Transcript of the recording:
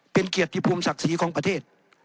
เป็นเกียรติภูมิศักดิ์ศรีของประเทศ